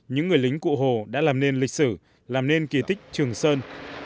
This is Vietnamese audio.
những người lính cụ hồ đã làm nên lịch sử làm nên kỳ tích trường sơn